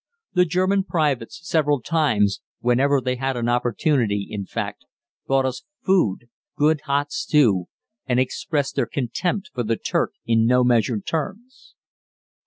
The German privates several times whenever they had an opportunity, in fact brought us food, good hot stew, and expressed their contempt for the Turk in no measured terms.